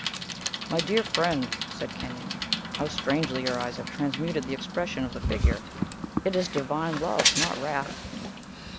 "My dear friend," said Kenyon, "how strangely your eyes have transmuted the expression of the figure! It is divine love, not wrath!"